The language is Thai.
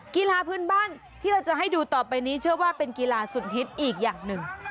กีฬาพื้นบ้านที่เราจะให้ดูต่อไปนี้เชื่อว่าเป็นกีฬาสุดฮิตอีกอย่างหนึ่ง